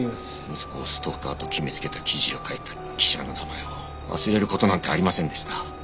息子をストーカーと決めつけた記事を書いた記者の名前を忘れる事なんてありませんでした。